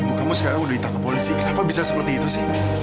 ibu kamu sekarang udah ditangkap polisi kenapa bisa seperti itu sih